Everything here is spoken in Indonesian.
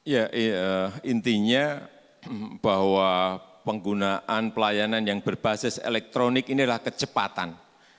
ya intinya bahwa penggunaan pelayanan yang berbasis elektronik ini adalah kecepatan